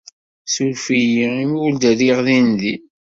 Ssuref-iyi imi ur d-rriɣ dindin.